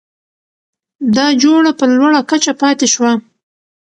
دا جوړه په لوړه کچه پاتې شوه؛